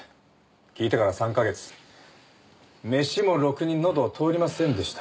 聞いてから３か月メシもろくにのどを通りませんでしたよ。